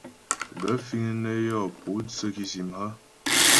Gaə̂ fíŋ nə́ yɔ pótsə́ kìsìm hə̀ ?